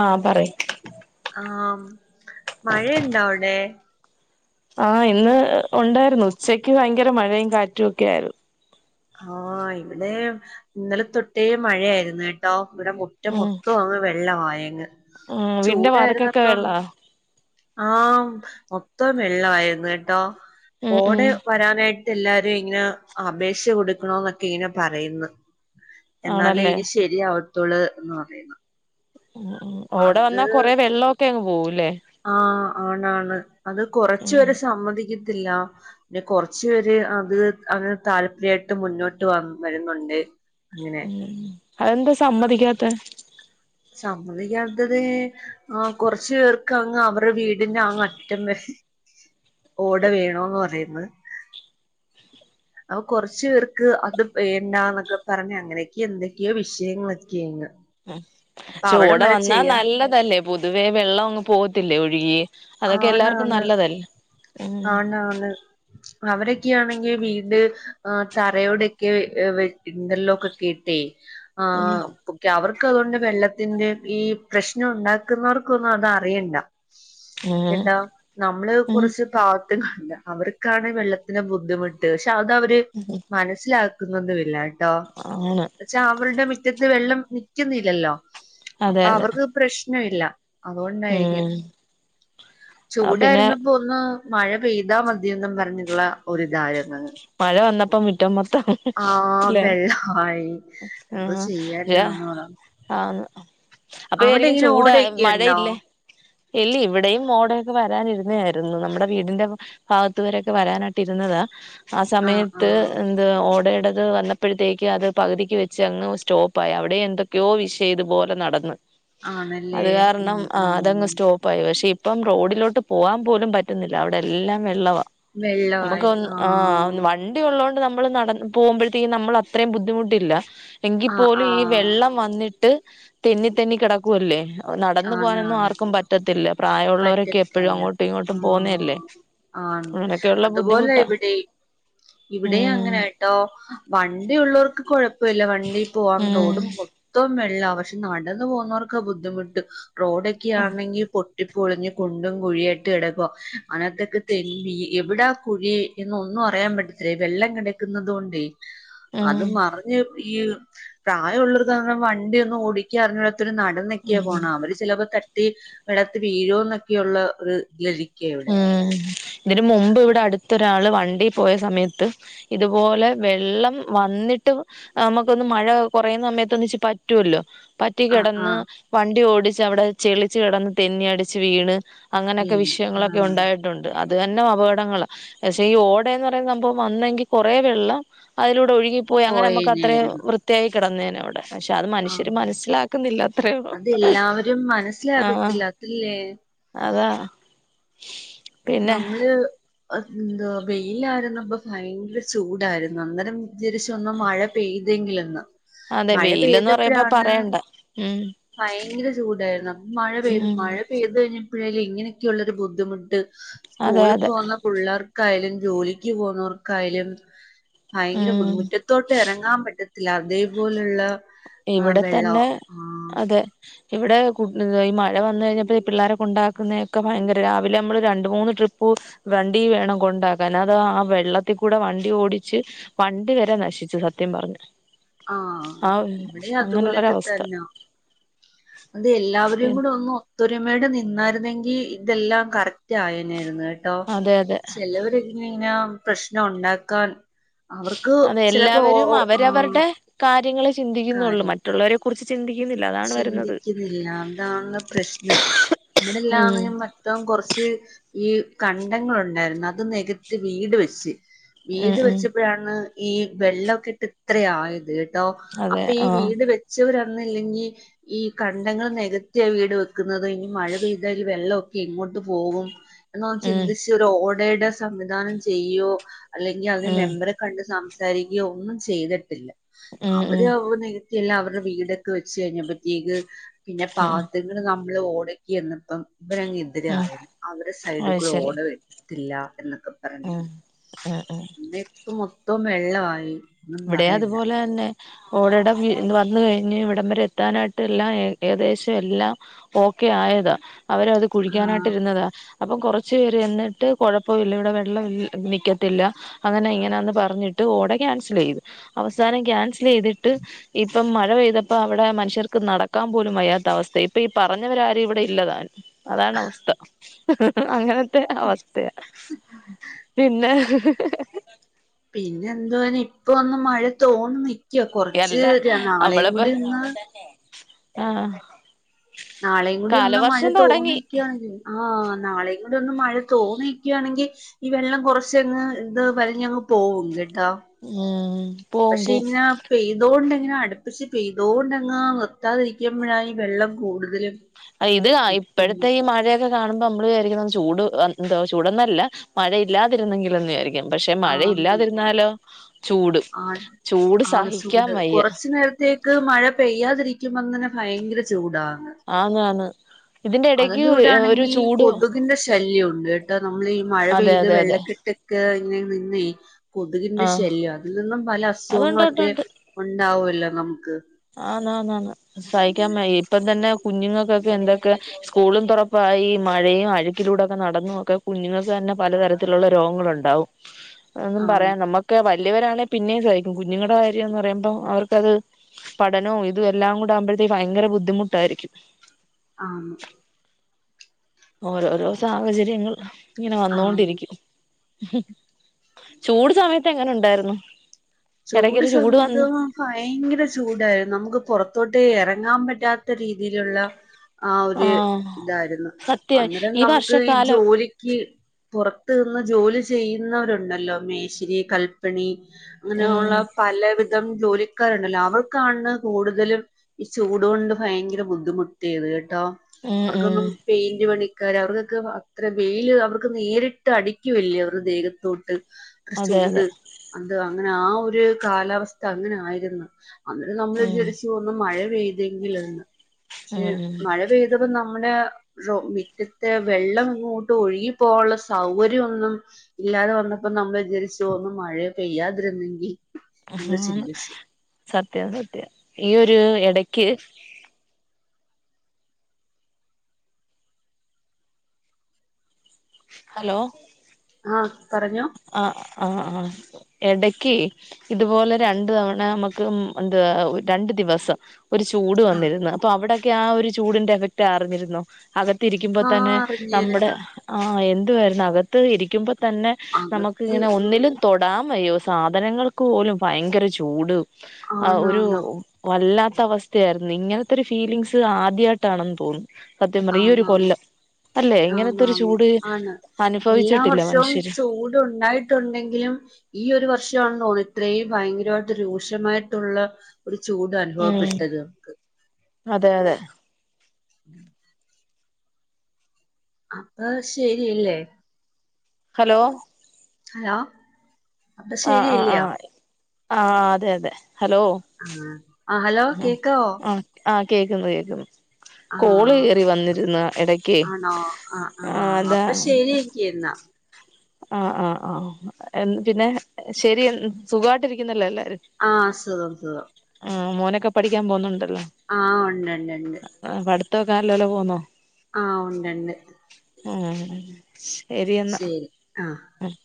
ആഹ് പറയ് ആഹ് മഴയുണ്ടോ അവിടെ ആഹ് ഇന്ന് ഉണ്ടായിരുന്നു ഉച്ചക്ക് ഭയങ്കര മഴയും കാറ്റും ഒക്കെ ആയിരുന്നു ആഹ് ഇവിടെ ഇന്നലെ തൊട്ടേ മഴയായിരുന്നു കേട്ടോ ഇവിടെ മു റ്റം ഉം മൊത്തം അങ്ങ് വെള്ളമായങ്ങ് ഉം വീടിന്റെ വാതക്കൊക്കെ ചൂടായിരുന്നപ്പം വെള്ളാ ആഹ് മൊത്തം വെള്ളമായിരുന്നു കേട്ടോ ഉം ഉം ഓടെ വരാനായിട്ട് എല്ലാരും ഇങ്ങനെ അപേക്ഷ കൊടുക്കണോന്നൊക്കെ ഇങ്ങനെ പറയുന്നു എന്നാലേ ആണല്ലേ ഇനി ശരിയാവത്തോള്ള് എന്ന് പറയുന്നു ഉം ഉം ഓട അത് വന്നാ കൊറെ വെള്ളോമൊക്കെ അങ്ങ് പോവൂല്ലേ ആഹ് ആണ് ആണ് അത് കൊറച്ചു ഉം പേര് സമ്മതിക്കത്തില്ല പിന്നെ കൊറച്ചു പേര് അത് അങ്ങനെ താല്പര്യായിട്ട് മുന്നോട്ട് വ വരുന്നുണ്ട് അങ്ങനെ ഉം അതെന്താ സമ്മതിക്കാത്തേ സമ്മതിക്കാത്തത് ആ കുറച്ചു പേർക്ക് അങ്ങ് അവർ അവടെ വീടിന്റെ ആ അറ്റം വരെ ഓട വേണോന്ന് പറയുന്നത് അപ്പൊ കൊറച്ച പേർക്ക് അത് വേണ്ടന്നൊക്കെ പറഞ്ഞ അങ്ങനെയൊക്കെയ എന്തൊക്കെയോ വിഷയങ്ങളൊക്കെയങ്ങ് ഉം അപ്പൊ പക്ഷെ അവിടം ഓടെ വരെ വന്നാ ചെയ്യാം നല്ലതല്ലേ പൊതുവേ വെള്ളം ഒങ്ങ് പോകത്തില്ലേ ഒഴുകി അതൊക്കെ ആണ് എല്ലാവർക്കും ആണ് നല്ലതല്ല ഉം ആണ് അവരൊക്കെയാണെങ്കിൽ വീട് തറയോടൊക്കെ ഇന്റർലോക്ക് കീട്ടെ ഉം ആഹ് ക്കെ അവർക്ക് അതുകൊണ്ട് വെള്ളത്തിന്റെ ഈ പ്രശ്നം ഉണ്ടാക്കുന്നവർക്കൊന്നും അത് അറിയണ്ട ഉം എന്താ നമ്മള് ഉം കുറച്ച് പാ അവർക്കാണ് വെള്ളത്തിന്റെ ബുദ്ധിമുട്ട് പക്ഷെ അത അവര് മനസ്സിലാക്ക ക്കുന്നൊന്നുമില്ല കേട്ടോ അങ്ങനെ പക്ഷെ അവരുടെ മുറ്റത്ത് വെള്ളം നിക്കുന്നില്ലല്ലോ അതെ അപ്പൊ അതെ അവർക്ക് പ്രശ്നമില്ല അതുകൊണ്ടായിരിക്കും ഉം ആ പിന്നെ ചൂടായിരുന്നപ്പോ ഒന്ന് മഴ പെയ്താ മതിയെന്നും പറഞ്ഞിട്ടുള്ള ഒരിതായിരുന്നു മഴ വന്നപ്പം മിറ്റോ മൊത്തം [inaudible] ആഹ് ല്ലെ വെള്ളായി എന്തോ ആഹ് ചെയ്യാനാന്ന് പറ ആന്ന് അപ്പൊ അവിടെ വിചാരിക്കും ഇങ്ങനെ ചൂടാ ഓടയൊക്കെ ഉണ്ടോ മഴയില്ലേ ഇല്ല ഇവിടെയും ഓടൊയൊക്കെ വരാനിരുന്ന ആയിരുന്നു നമ്മുടെ വീടിന്റെ ഭാഗത്ത് വരൊ യൊക്കെ വരാനായിട്ട് ഇരുന്നതാ ആ ആഹ് സമയത്ത് ആഹ് എന്ത് ഓടയിടത് വന്നപ്പോഴത്തേക്ക് അത് പകുതിക്ക് വച്ച് അങ്ങ് സ്റ്റോപ്പായി അവിടെയും എന്തൊക്കെ യോ വിഷയം ഇതുപോലെ നടന്ന് ആണല്ലേ ഉം ഉം പോയി പക്ഷെ ഇപ്പം റോഡിലോട്ട് പോവാൻ പോലും പറ്റുന്നില്ല അവിടെ എല്ലാം വെള്ളവാ നമുക്ക് അതൊന്ന് ആഹ് ഒന്ന് വണ്ടി ഉള്ളതോണ്ട് നമ്മള് നട പോകുമ്പഴത്തേക്കും നമ്മൾ അത്രേം ബുദ്ധിമുട്ടില്ല ആഹ് എങ്കിപ്പോലും ഈ ആഹ് വെള്ളം വന്നിട്ട് തെന്നി തെന്നി കെട ക്കു അല്ലേ അപ്പൊ നടന്നു ആണ് പോകാനൊന്നും ആണ് ആർക്കും പറ്റ് റ്റത്തില്ല പ്രായുള്ളോരൊക്കെ എപ്പഴും പറ്റത്തില്ല അങ്ങോട്ടും ഇങ്ങോട്ടും പോന്നല്ലേ ആഹ് ആണ് അങ്ങനെയെക്കുള്ള ബുദ്ധിമുട്ട ഇവടേം അങ്ങനെട്ടോ വണ്ടി ഉള്ളവർക്ക് കൊഴപ്പല്ല വണ്ടി പോവാം റോഡും മൊ ഉം ത്തം വെള്ള പക്ഷെ നടന്ന് പോകുന്നവർക്കാ ബുദ്ധിമുട്ട് റോഡൊക്കെയാണെങ്കി പൊ ട്ടിപ്പൊളിഞ് കുണ്ടും കുഴിയായിട്ട് കെടക്ക്വ അനാത്തേക്ക് തെൻ വീ എവടാ കുഴി ഇന്ന് ഒന്നും അറിയാൻ പറ്റത്തില്ല വെള്ളം കെടക്കുന്നതോണ്ടേ അത് ഉം മറിഞ്ഞ് ഈ പ്രായുള്ളവർക്ക് പർഞ്ഞ വണ്ടിഒന്നും ഓടിക്കാ അറിഞ്ഞൂടാത്തോര് നടന്നൊക്യാ ഉം പോണ് അവര് ചിലപ്പോ തട്ടി വെള്ളത്ത് വീഴോന്നൊക്കെയുള്ള ഒരുതിലിരിക്ക ഇവടെ ഉം ഇതിന് മുമ്പ് ഇവടെ അടുത്തൊരാള് വണ്ടി പോയ സമയത്ത് ഇതുപോലെ വെള്ളം വന്നിട്ട് നമ്മുക്കൊന്ന് മഴ കൊറയുന്ന സമയത്ത് ഒന്നിച്ച് പറ്റുല്ലോ പറ്റി ആഹ് കെടന്ന് ആഹ് വണ്ടി ഓടിച്ച് അവടെ ചെളിച്ച് കെടന്ന് തെന്നി അടിച്ച് വീണ് അങ്ങനെയൊക്കെ വീണ് വിഷയങ്ങളൊക്കെ ആഹ് ഉണ്ടായിട്ടുണ്ട് അത് തന്നെ അപകടങ്ങള പക്ഷെ ഈ ഓടെന്ന് പറയുന്ന സംഭവം വന്നെങ്കി കൊറെ വെള്ളം അതിലൂടെ ഒഴുകി പോയി അങ്ങനമ്മക്ക് അത്രേം പോയേനെയായിരുന്നു വൃത്തിയായി കിടന്നേനവടെ പക്ഷെ അത് മനുഷ്യര് ആഹ് മനസ്സിലാക്കുന്നില്ല അത്രേള്ളു അതെല്ലാവരും ആഹ് മനസ്സിലാകത്തില്ല അതില്ലേ അതാ പിന്നെ നമ്മള് എന്ത വെയിലായിരുന്നപ്പ ഭയങ്കര ചൂടായിര്ന്നു അന്നേരം വിചാരിച്ചൊന്ന് മഴ പെയ്തെങ്കിലെന്ന് അതെ മഴ വെയിലെന്ന് പറയുമ്പ പെയ്തപ്പഴാണ് പറയണ്ട ഉം ഭയങ്കര ചൂടായിരുന്നു അപ്പൊ മഴ പെയ്തു ഉം മഴ പെയ്ത് കഴിഞ്ഞപ്പഴേക്കും ഇങ്ങനെയക്കെയുള്ളൊരു ബുദ്ധിമുട്ട് അതെ സ്കൂളി അതെ പോന്ന പുള്ളാർക്കായാലും ജോലിക്ക് പോന്നവർക്കായാലും ഭയങ്കര ഉം ബുദ്ധിമുട്ട് ത്തോട്ട് എറങ്ങാൻ പറ്റത്തില്ല അതേപോലുള്ള ആഹ് ഇവടെ വെള്ളോ തന്നെ ആഹ് അതെ ഇവടെ കു ഈ മഴ വന്ന കഴിഞ്ഞപ്പോ ഈ പിള്ളാരെ കൊണ്ടാക്കുന്നതിനൊക്കെ ഭയങ്കര രാവിലെ നമ്മള് രണ്ട് മൂന്ന് ട്രിപ്പ് വണ്ടി വേണം കൊണ്ടാക്കാൻ അതാ വെള്ളത്തി കൂടെ വണ്ടി ഓടിച്ച് വണ്ടി വെരെ നശിച്ചു സത്യം പർഞ്ഞ ആ ഒരു വടെ അതുപോലെക്കെ തെന്ന അത് എല്ലാവര്ടേം കൂടെ ഒന്ന് ഒത്തൊരുമയോടെ നിന്നായിരുന്നെങ്കി ഇതെല്ലാം കറക്റ്റായേനേര്ന്നു കേട്ടോ അതെ അതെ ചെലോര് ന്ന്ങ്ങന പ്രശ്നൊണ്ടാക്കാൻ അതെ എല്ലാവരും ആ അവരവരുടെ കാര്യങ്ങളെ ചിന്തിക്കുന്നുള്ളൂ കാര്യം മറ്റുള്ളവരെ കുറിച്ച് ചിന്തിക്കുന്നില്ല അതാ ചിന്തിക്കുന്നില്ല അതാണ് പ്രശ്നം ഉം ഇവിടെല്ലാവരും വ റ്റവും കൊർച്ച് ഈ കണ്ടങ്ങളൊണ്ടായിരുന്നു അത് നെകത്തി വീട് വെച്ച് ഉം വീട് ഉം വെച്ചപ്പഴാണ് ഈ വെള്ളകെട്ട് ഇത്ര ആയത് ട്ടോ അതെ അപ്പൊ ഈ ആഹ് വീട് വെച്ചവരന്നില്ലെങ്കി ഈ കണ്ടങ്ങൾ നെകത്യ വീട് വെക്കുന്നത് ഇനി മഴ പെയ്താല് വെള്ളോക്കെ എങ്ങോട്ട് പോവും എന്നൊന്ന് ഉം ചിന്തിച്ചൊരു ഓടേടെ സംവിധാനം ചെയ്യോ അല്ലെങ്കി അതിന് ഉം മെമ്പറെ കണ്ട് സംസാരിക്കുകയോ ഒന്നും ചെയ്തിട്ടില്ല ഉം അവര് ഉം നികത്തിയെല്ലാം അവരുടെ വീടൊക്കെ വെച്ച് കഴഞ്ഞപ്പത്തേക്ക് പിന്നെ ഉം പാവത്തികള് നമ്മള് ഓടക്കിന്നപ്പം ഇവനങ്ങ ഉം [unintelligible] അവരെ സൈഡിൽ അത് കൂടെ ശരി ഓട വെരത്തില എന്നൊക്കെ ഉം [unintelligible] ഉം ഉം ഇതേ ഇപ്പമൊത്തം വെള്ളമായി ഒന്നും ഇവിടെ പറയണ്ട അതുപോലെ തന്നെ ഓടേടെ വി ത് വന്ന് കഴിഞ്ഞ് ഇവിടം വരെ എത്താനായിട്ട് എല്ലാംഏ ഏകദേശം എല്ലാം ഓക്കെ ആയതാ അവരത് ആഹ് കുഴിക്കാനായിട്ടിരുന്നതാ അപ്പം കുറച്ചു പേര് എന്നിട്ട് കുഴപ്പമില്ല ഇവിടെ വെള്ളം നൽക്കത്തില്ല അങ്ങനെ ഇങ്ങനെന്ന് പറഞ്ഞിട്ട് ഓടെ ക്യാൻസൽ ചെയ്തു അവസാനം ക്യാൻസൽ ചെയ്തിട്ട് ഇപ്പം മഴ പെയ്തപ്പോ അവിടെ മനുഷ്യർക്ക് നടക്കാൻ പോലും വയ്യാത്ത അവസ്ഥ ഇപ്പൊ ഈ പറഞ്ഞവരാരും ഇവിടെ ഇല്ലതാനും അതാണ് അവസ്ഥ അങ്ങനത്തെ അവസ്ഥയ പിന്നെ പിന്നെ എന്തുവന്ന ഇപ്പൊ ഒന്ന് മഴ തോന്ന് നിക്കുവാ കൊറച്ച് അല്ല നാളെയും നമ്മളിപ്പോ കൂടി ഒന്ന് ആഹ് നാളെയും കൂടി ഒന്ന് മഴ കാലവർഷം തോന്നി തൊടങ്ങി ണെങ്കി ആഹ് നാളെയും കൂടെ ഒന്ന് മഴ തോന്നയിക്കുകയാണെങ്കിൽ ഈ വെള്ളം കുറച്ചങ്ങ് ഇത് വലിഞ്ഞങ്ങ് പോവും കെട്ടാ ഉം പോവും പക്ഷെ പോവും ഇങ്ങനെ പെയ്ത് തോണ്ടെങ്ങനെ അടുപ്പിച്ച് പെയ്തോകൊണ്ടങ്ങ് നിർത്താതിരിക്കുമ്പഴ ഈ വെള്ളം കൂടുതലും ഇത് നിക്കുന്നു ഇപ്പോഴത്തെ ഈ മഴയൊക്കെ കാണുമ്പോ നമ്മ ആരിക്കും ചൂട് എന്തോ ചൂടന്നല്ല മഴയില്ലാതിരുന്നെങ്കിലെന്ന് വിചാരിക്കും പക്ഷെ മഴയില്ലാതിരുന്നാലോ ചൂട് ആഹ് ചൂട് ആവശ്യം സഹിക്കാൻ ചൂട് വയ്യ കുറച്ചു നേരത്തേക്ക് ക്ക് മഴ പെയ്യാതിരിക്കുമ്പോ തന്നെ ഭയങ്കര ചൂടാ ആന്ന് ആന്ന് ഇതിന്റെ എടക്ക് ഒരു അതിന്റെകൂടെയാണെങ്കിൽ ചൂട് കൊതുകിന്റെ ശല്യൂണ്ട് ഇണ്ട് ട്ടൊ നമ്മൾ ഈ മഴ അതെ പെയ്ത് അതെ അതെ വെള്ളക്കെട്ട് കെന്റിംങ്ങ്ന്നേയ് കൊതുകിൻ്റെ ആഹ് ശല്യാ അതിൽ നിന്നും പല അതുണ്ട് ഉണ്ട് അസുഖങ്ങളൊക്കെ ഉണ്ടാവൊല്ലോ നമുക്ക് ആന്ന് ആന്ന് ആന്ന് സഹിക്കാൻ വയ്യ ഇപ്പം തന്നെ കുഞ്ഞുങ്ങൾക്കൊക്കെ എന്തൊക്കെ സ്കൂളും തുറപ്പായി മഴയും അഴുക്കിലൂടെ ഒക്കെ നടന്നും ഒക്കെ കുഞ്ഞുങ്ങൾക്ക് തന്നെ പലതരത്തിലുള്ള രോഗങ്ങൾ ഉണ്ടാവും [inaudible] ഒന്നും ആന്ന് പറയാം നമ്മുക്ക് വലിയവരാണെ പിന്നെയും സഹിക്കും കുഞ്ഞുങ്ങളുടെ കാര്യംന്ന് പറയുമ്പോൾ അവർക്കത് പഠനവും ഇത് എല്ലാം കൂടെ ആവുമ്പോഴത്തേക്ക് ഭയങ്കര ബുദ്ധിമുട്ടായിരിക്കും ആഹ് ഓരോരോ സാഹചര്യങ്ങൾ ഇങ്ങനെ ആന്ന് വന്നോണ്ടിരിക്കും ഉം ചൂട് സമയത്ത് എങ്ങനെ ഉണ്ടായിരുന്നു ഇടക്കൊ ഒരു ചൂട് വന്നു ഭയങ്കര ചൂടായിരുന്നു നമുക്ക് പുറത്തോട്ട് ഇറങ്ങാൻ പറ്റാത്ത രീതിയിലുള്ള ആ ഒരു ആഹ് തായിരുന്നു സത്യം അന്നേരം നമുക്ക് ഈ വർഷക്കാലം ജോലി ക്കി പുറത്ത് നിന്ന് ജോലി ചെയ്യുന്നവരുണ്ടല്ലോ മേശിരി കൽപ്പണി അങ്ങനെ ഉം ഉള്ള പലവിധം ജോലി ക്കാരുണ്ടല്ലോ അവർക്കാണ് കൂടുതലും ഈ ചൂട്കൊണ്ട് ഭയങ്കര ബുദ്ധിമുട്ടിയെത് കേട്ടോ ഉം ഉം അവർക്കൊന്നും പെയിന്റ് പണിക്കാർ അവർക്കൊക്കെ അത്ര വെയില് അവർക്ക് നേരിട്ട് അടിക്കുവല്ലേ അവരു ദേഹത്തോട്ട് അത്ര അതെ ചൂട് അതെ അന്ത് അങ്ങനെ ആ ഒരു കാലാവസ്ഥ അങ്ങനെ ആയിരുന്നു അന്നേരം നമ്മള് ഉം വിചരിച്ചു ഒന്ന് മഴ പെയ്തെങ്കിൽന്ന് പക്ഷെ ഉം മഴ പെയ്ത് ഇത് പ്പെ നമ്മെടെ സൊ മിറ്റത്തെ വെള്ളം അങ്ങോട്ട് ഒഴുകിപ്പോവാള്ള സൗകര്യമൊന്നും ഇല്ലാതെ വന്നപ്പോ നമ്മൾ വിചരിച്ചു ഒന്നും മഴയ പെയ്യാതിരുന്നെങ്കി സത്യം സത്യം ഈ ഒരു എടക്ക് ഹലോ ആഹ് പറഞ്ഞോ ആഹ് ആഹ് ആഹ് എടക്ക് ഇതുപോലെ രണ്ടു തവണ നമ്മുക്ക് ഉം എന്താ രണ്ടു ദിവസം ഒരു ചൂട് ആ വന്നിരുന്ന് അപ്പൊ അവിടൊക്കെ ആ ഒരു ചൂടിന്റെ എഫക്റ്റ് അറിഞ്ഞിരുന്നോ അകത്ത് ഇരിക്കുമ്പോ ആ തന്നെ നമ്മുടെ അറിഞ്ഞിരുന്നു ആഹ് എന്തുവായിരുന്നു അകത്ത് ഇരിക്കുമ്പോ തന്നെ നമ്മക്ക്‌ അകത്ത് ഇങ്ങനെ ഒന്ന്ലും തൊടാൻ വയ്യോ സാധനങ്ങൾക്ക് പോലും ഭയങ്കര ചൂട് ആ ഒരു ആണാണ് വല്ലാത്ത അവസ്ഥയായിരുന്നു ഇങ്ങനത്തെ ഒരു ഫീലിങ്സ് ആദ്യായ്ട്ടാണെന്ന് തോന്നുന്നു സത്യം പറ ഈ ഒരു ആണാണ് കൊല്ലം അല്ലെ ആന്ന് ഇങ്ങനത്തെ ഒരു ആന്ന് ചൂട് ആണ് എല്ലാ അനുഭവിച്ചിട്ടില്ല വർഷവും മനുഷ്യര് ചൂടുണ്ടായിരു ട്ടുണ്ടെങ്കിലും ഈ ഒരു വർഷവാണെന്ന് തോന്ന്ന്ന് ഇത്രയും ഭയങ്കരവായിട്ട് രൂക്ഷമായിട്ടുള്ള ഒരു ചൂട് ഉം അനുഭവപ്പെട്ടത് മക്ക് അതെ അതെ [unintelligible] അപ്പൊ ശരിയല്ലേ ഹലോ ഹലോ അപ്പൊ ആഹ് ആഹ് ശരിയല്ലയോ ആഹ് ആഹ് അതെ അതെ ഹലോ ആഹ് ആ ഹലോ ആഹ് കേക്കാവോ ആഹ് ആഹ് കേക്കുന്നു കേക്കുന്നു കോള് ആഹ് കേറി വന്നിരുന്നു എടയ്ക്കേ ആണോ ആഹ് ആ ആഹ് അതാ അപ്പൊ ശരി എങ്കി എന്നാ ആഹ് ആഹ് ആഹ് യെന്ത് പിന്നെ ശരി സുഖായിട്ടിരിക്കുന്നുല്ലോ എല്ലാരും ആഹ് സുഖം സുഖം ആഹ് മോനൊക്കെ പഠിക്കാൻ പോവ്ന്നുണ്ടല്ലോ ആഹ് ഒണ്ട്ണ്ട് ഒണ്ട് ആഹ് പടുത്തക്കെ നല്ലല പോവ്ന്നോ ആഹ് ഒണ്ടണ്ട് ആഹ് ശരി ആഹ് ആഹ്